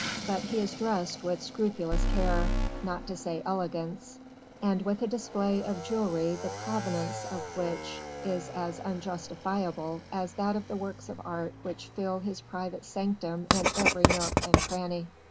But he is dressed with scrupulous care not to say elegance and with a display of jewelry the provenance of which is as unjustifiable as that of the works of art which fill his private sanctum in every nook and cranny.